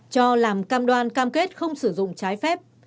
cho làm cam đoan cam kết không sử dụng trái phép